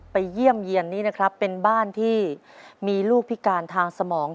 เยี่ยมเยี่ยนนี้นะครับเป็นบ้านที่มีลูกพิการทางสมอง